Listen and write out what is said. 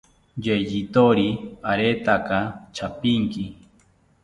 Yeyithori aretaka chapinki